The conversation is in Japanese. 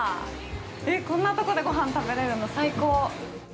えっ、こんなところでごはん食べれるの、最高！